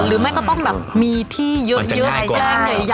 หรือแม่ก็ต้องมีที่เยอะแย่